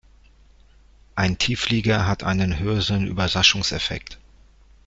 Ein Tiefflieger hat einen höheren Überraschungseffekt.